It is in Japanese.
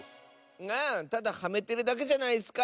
あただはめてるだけじゃないッスか！